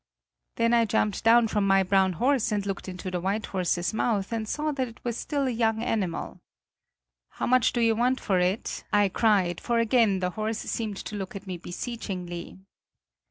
"Then I jumped down from my brown horse and looked into the white horse's mouth and saw that it was still a young animal. 'How much do you want for it?' I cried, for again the horse seemed to look at me beseechingly.